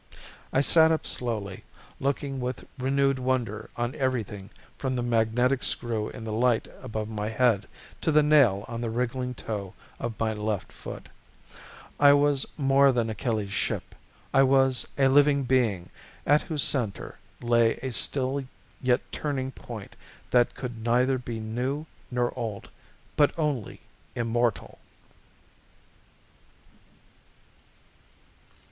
I sat up slowly, looking with renewed wonder on everything from the magnetic screw in the light above my head to the nail on the wriggling toe of my left foot. I was more than Achilles' Ship. I was a living being at whose center lay a still yet turning point that could neither be new nor old but only immortal.